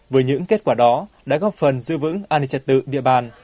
với những kết quả đó đã góp phần giữ vững an ninh trật tự địa bàn